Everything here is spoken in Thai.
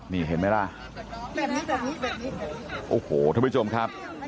นี่เห็นไหมล่ะโอ้โหทุกผู้ชมครับ